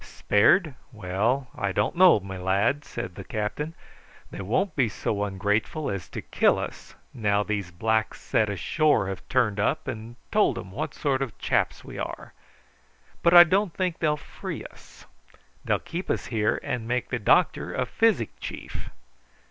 "Spared? Well, I don't know, my lad," said the captain. "They won't be so ungrateful as to kill us, now these blacks set ashore have turned up and told 'em what sort of chaps we are; but I don't think they'll free us. They'll keep us here and make the doctor a physic chief.